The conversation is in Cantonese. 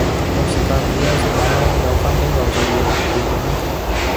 有時間你休息下啦，又返工又做嘢唔攰嘅咩